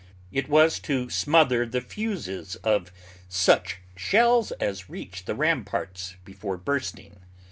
It was to smother the fuses of such shells as reached the ramparts before bursting.